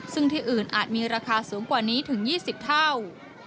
ซึ่งที่อื่นอาจมีราคาสูงกว่านี้ถึง๒๐เท่า